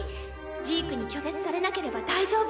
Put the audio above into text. ジークに拒絶されなければ大丈夫。